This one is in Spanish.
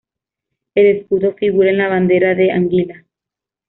El escudo figura en la bandera de Anguila.